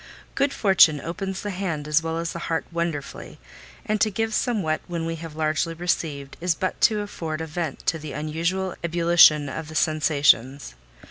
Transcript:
Good fortune opens the hand as well as the heart wonderfully; and to give somewhat when we have largely received, is but to afford a vent to the unusual ebullition of the sensations.